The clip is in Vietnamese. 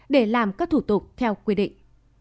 để làm các thủ tục theo quy định